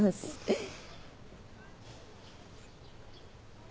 えっ？